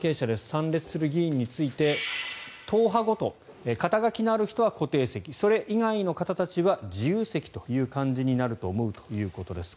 参列する議員について党派ごと、肩書のある人は固定席それ以外の方たちは自由席という感じになると思うということです。